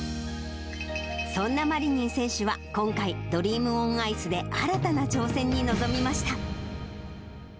そんなマリニン選手は今回、ドリーム・オン・アイスで新たな挑戦に臨みました。